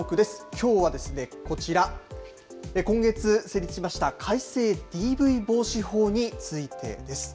きょうはこちら、今月成立しました、改正ＤＶ防止法についてです。